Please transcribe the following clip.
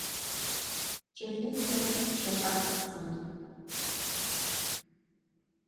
Ҷыӷьыц иахь шьаҿак ҟарҵоит.